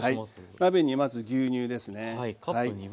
鍋にまず牛乳ですね。